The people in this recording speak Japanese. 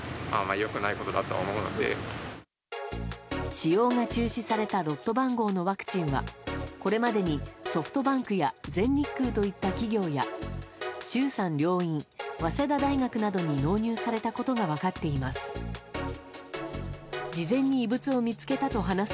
使用が中止されたロット番号のワクチンはこれまでにソフトバンクや全日空といった企業や衆参両院、早稲田大学などに納入されたことが分かっています。